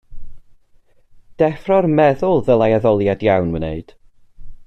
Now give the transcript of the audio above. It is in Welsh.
Deffro'r meddwl ddylai addoliad iawn wneud.